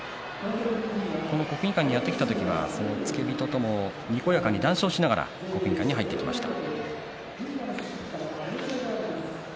この国技館にやって来た時はその付け人ともにこやかに談笑しながら国技館に入ってきました。